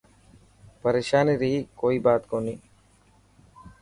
پريشاني ري ڪوئي بات ڪوني.